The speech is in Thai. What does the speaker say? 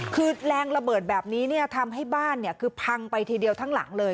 คือแรงระเบิดแบบนี้ทำให้บ้านคือพังไปทีเดียวทั้งหลังเลย